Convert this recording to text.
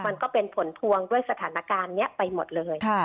มันก็เป็นผลพวงด้วยสถานการณ์นี้ไปหมดเลย